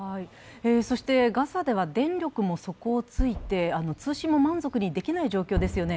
そして、ガザでは電力も底をついて、通信も満足にできない状況ですよね。